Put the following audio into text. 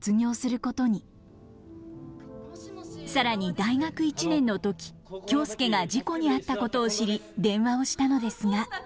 更に大学１年の時京介が事故に遭ったことを知り電話をしたのですが。